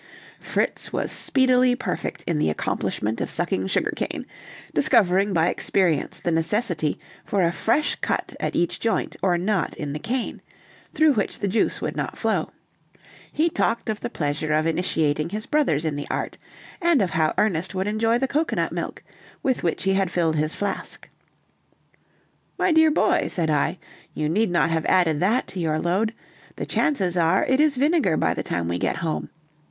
Fritz was speedily perfect in the accomplishment of sucking sugar cane, discovering by experience the necessity for a fresh cut at each joint or knot in the cane, through which the juice would not flow; he talked of the pleasure of initiating his brothers in the art, and of how Ernest would enjoy the cocoanut milk, with which he had filled his flask. "My dear boy," said I, "you need not have added that to your load; the chances are it is vinegar by the time we get home.